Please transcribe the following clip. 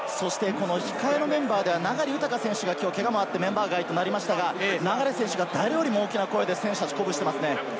控えのメンバーでは流大選手がけがもあってメンバー外となりましたが、流選手が誰よりも大きな声で選手たちを鼓舞していますね。